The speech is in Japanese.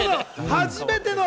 初めての。